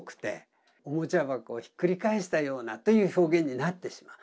「おもちゃ箱をひっくり返したよう」という表現になってしまう。